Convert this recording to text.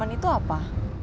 kang sudirman itu apa